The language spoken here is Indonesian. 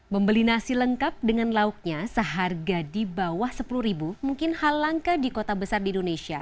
membeli nasi lengkap dengan lauknya seharga di bawah sepuluh ribu mungkin hal langka di kota besar di indonesia